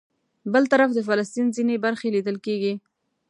بل طرف د فلسطین ځینې برخې لیدل کېږي.